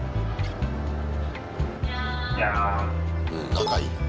仲いいな。